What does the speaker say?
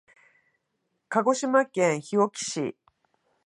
鹿児島県日置市